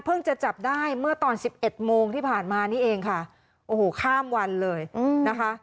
จะจับได้เมื่อตอนสิบเอ็ดโมงที่ผ่านมานี่เองค่ะโอ้โหข้ามวันเลยนะคะ